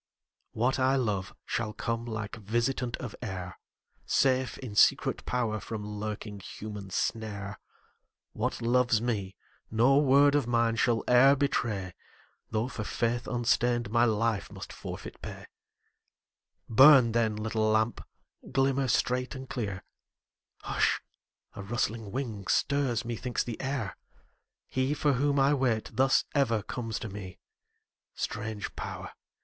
What I love shall come like visitant of air, Safe in secret power from lurking human snare; What loves me, no word of mine shall e'er betray, Though for faith unstained my life must forfeit pay Burn, then, little lamp; glimmer straight and clear Hush! a rustling wing stirs, methinks, the air: He for whom I wait, thus ever comes to me; Strange Power!